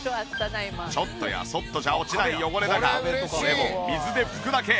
ちょっとやそっとじゃ落ちない汚れだがこれも水で拭くだけ。